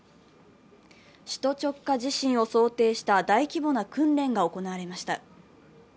首都直下地震を想定した大規模な訓練が行われました。